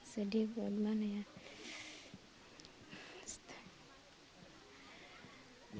sedih buat mana ya